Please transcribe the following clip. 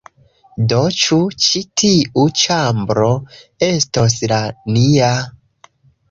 Do, ĉu ĉi tiu ĉambro estos la nia?